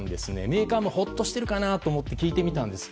メーカーもほっとしているかなと思って聞いてみたんです。